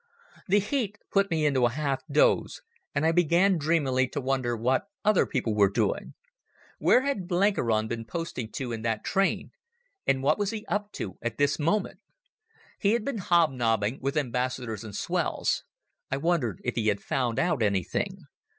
The heat put me into a half doze and I began dreamily to wonder what other people were doing. Where had Blenkiron been posting to in that train, and what was he up to at this moment? He had been hobnobbing with ambassadors and swells—I wondered if he had found out anything.